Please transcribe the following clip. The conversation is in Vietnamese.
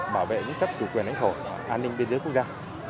bảo vệ giúp chấp chủ quyền đánh khổ an ninh biên giới quốc gia